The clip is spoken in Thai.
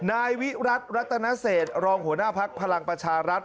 นายวิรัติรัตนเศษรองหัวหน้าภักดิ์พลังประชารัฐ